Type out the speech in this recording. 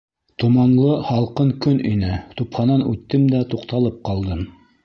Томанлы һалҡын көн ине, тупһанан үттем дә туҡталып ҡалдым.